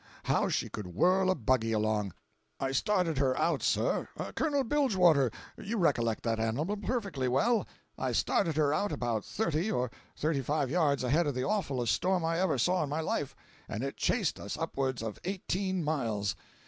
How she could whirl a buggy along! I started her out once, sir—Colonel Bilgewater, you recollect that animal perfectly well—I started her out about thirty or thirty five yards ahead of the awfullest storm I ever saw in my life, and it chased us upwards of eighteen miles!